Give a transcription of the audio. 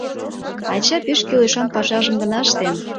Ача пеш кӱлешан пашажым гына ыштен.